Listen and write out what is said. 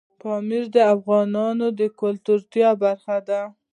پامیر د افغانانو د ګټورتیا برخه ده.